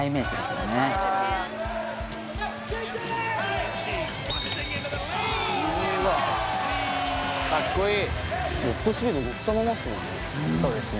かっこいいトップスピード乗ったままっすもんね